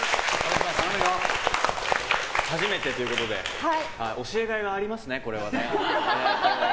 初めてということで教えがいがありますね、これはね。